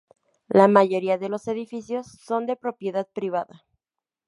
La mayoría de los edificios son de propiedad privada.